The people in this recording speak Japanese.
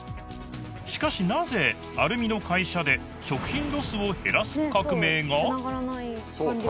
しかしなぜアルミの会社で食品ロスを減らす革命が？